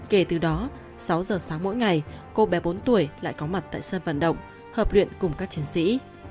kể từ đó sáu giờ sáng mỗi ngày cô bé bốn tuổi lại có mặt tại sân vận động hợp luyện cùng các chiến sĩ